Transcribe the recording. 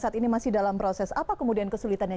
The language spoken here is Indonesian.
saat ini masih dalam proses apa kemudian kesulitannya